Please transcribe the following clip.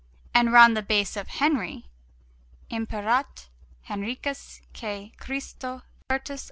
And round the base of Henry: IMPERAT HENRICUS QUI CHRISTO FERTUR AMICUS.